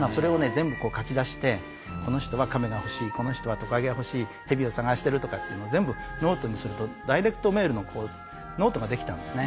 全部こう書き出して「この人はカメが欲しい」「この人はトカゲが欲しい」「ヘビを探してる」とかっていうのを全部ノートにするとダイレクトメールのノートができたんですね。